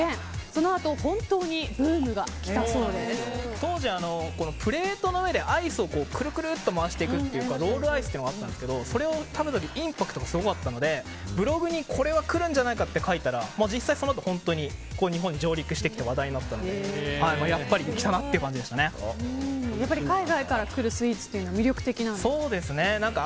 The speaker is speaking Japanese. その後、本当に当時、プレートの上でアイスをくるくると回していくロールアイスというのがあったんですけどそれを食べた時インパクトがすごかったのでブログにこれはくるんじゃないかって書いたら実際にそのあと日本に上陸してきて話題になったのでやっぱり来たなという海外からくるスイーツというのは魅力的ですか。